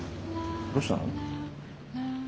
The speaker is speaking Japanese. どうしたの？